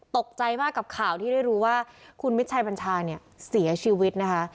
ตกใจมากกับข่าวที่ได้รู้ว่าคุณมิตรชัยบัญชาเนี่ยเสียชีวิตนะคะ